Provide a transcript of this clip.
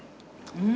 うん！